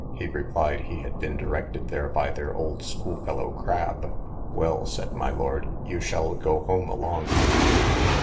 He replied, he had been directed there by their old school fellow, Crab. Well, said my lord, you shall go home along with me.